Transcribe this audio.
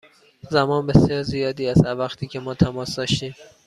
زمان بسیار زیادی است از وقتی که ما تماس داشتیم.